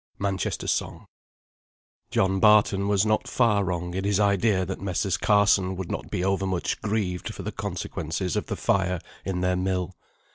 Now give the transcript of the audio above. '" MANCHESTER SONG. John Barton was not far wrong in his idea that the Messrs. Carson would not be over much grieved for the consequences of the fire in their mill.